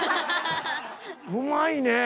うまいねえ。